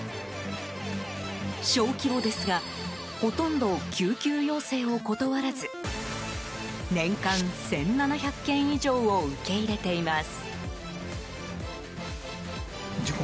小規模ですがほとんど救急要請を断らず年間１７００件以上を受け入れています。